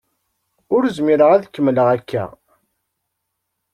Ur zmireɣ ad kemmleɣ akka.